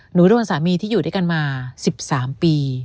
หนูโดนสามีที่อยู่ด้วยกันมา๑๓ปี